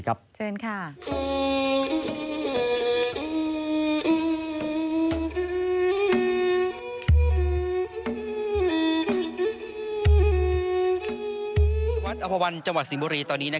อำเภอวันจังหวัดสิงห์บุรีตอนนี้